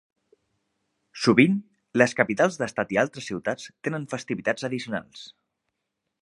Sovint, les capitals d'estat i altres ciutats tenen festivitats addicionals.